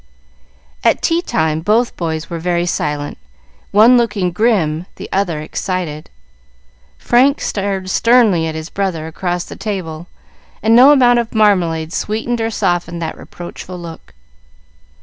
At tea time both boys were very silent, one looking grim, the other excited. Frank stared sternly at his brother across the table, and no amount of marmalade sweetened or softened that reproachful look.